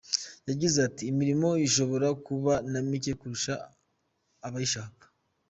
Yagize ati “Imirimo ishobora kuba na mike kurusha abayishaka.